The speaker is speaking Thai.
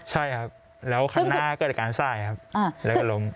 ใช่ครับแล้วคันหน้าเกิดอาการสายครับแล้วก็ล้ม